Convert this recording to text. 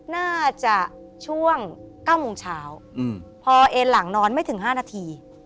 น่าจะช่วง๙โมงเช้าพอเอ็นหลังนอนไม่ถึง๕นาที